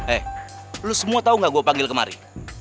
eh lu semua tahu gak gue panggil kemari